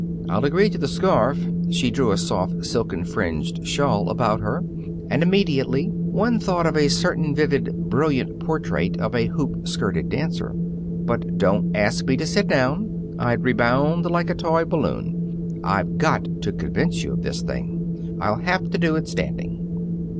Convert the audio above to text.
"I'll agree to the scarf" she drew a soft, silken, fringed shawl about her and immediately one thought of a certain vivid, brilliant portrait of a hoop skirted dancer "but don't ask me to sit down. I'd rebound like a toy balloon. I've got to convince you of this thing. I'll have to do it standing."